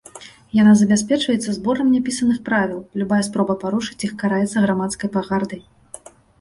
Яна забяспечваецца зборам няпісаных правіл, любая спроба парушыць іх караецца грамадскай пагардай.